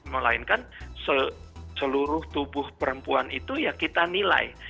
melainkan seluruh tubuh perempuan itu ya kita nilai